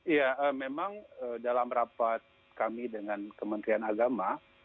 ya memang dalam rapat kami dengan kementerian agama